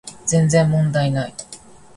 全然問題ない